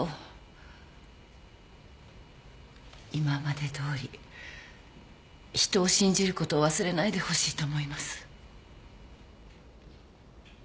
今までどおり人を信じることを忘れないでほしいと思います。